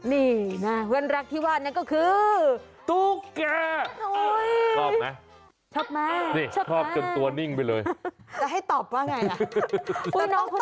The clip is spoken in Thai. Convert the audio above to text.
นี่นะเพื่อนรักที่ว่านี่ก็คือ